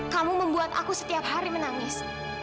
kamu membuat aku setiap hari menangis